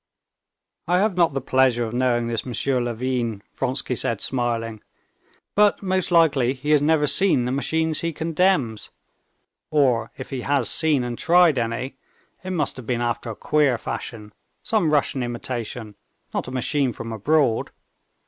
"I have not the pleasure of knowing this M. Levin," Vronsky said, smiling, "but most likely he has never seen the machines he condemns; or if he has seen and tried any, it must have been after a queer fashion, some Russian imitation, not a machine from abroad.